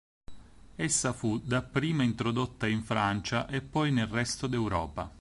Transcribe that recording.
Essa fu dapprima introdotta in Francia e poi nel resto d'Europa.